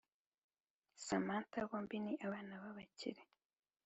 samantha bombi ni abana b’abakire